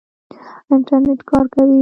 انټرنېټ کار کوي؟